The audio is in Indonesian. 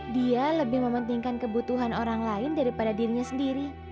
dia lebih mementingkan kebutuhan orang lain daripada dirinya sendiri